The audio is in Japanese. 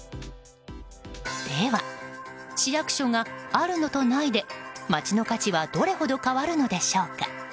では、市役所があるのとないで街の価値はどれほど変わるのでしょうか。